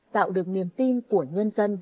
tạo được niềm tin của nhân dân